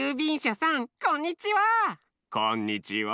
こんにちは。